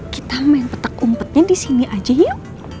kita main petak umpetnya disini aja yuk